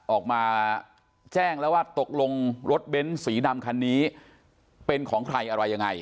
ออกมาแจ้งแล้วว่าตกลงรถเบ้นสีดำคันนี้เป็นของใครอะไรยังไง